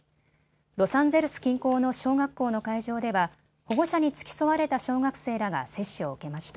ロサンゼルス近郊の小学校の会場では保護者に付き添われた小学生らが接種を受けました。